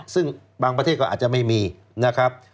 ซึ่งบางประเทศก็อาจจะไม่มีนะครับ